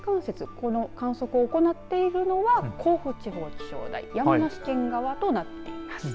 この観測を行っているのは甲府地方気象台山梨県側となっています。